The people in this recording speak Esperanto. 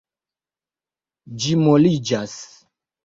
Ĝi moliĝas.